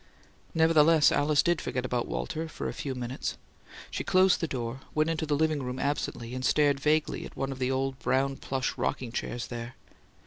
Nevertheless, Alice forgot about Walter for a few minutes. She closed the door, went into the "living room" absently, and stared vaguely at one of the old brown plush rocking chairs there.